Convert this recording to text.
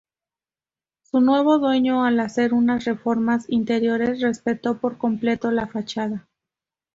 Su nuevo dueño al hacer unas reformas interiores respetó por completo la fachada.